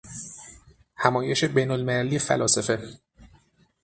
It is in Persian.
همایش بینالمللی فلاسفه